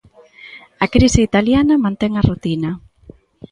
A crise italiana mantén a rutina.